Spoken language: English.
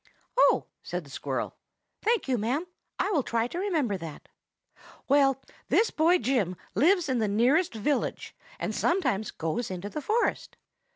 "Oh!" said the squirrel. "Thank you, ma'am! I will try to remember that. Well, this boy Jim lives in the nearest village, and sometimes goes into the forest.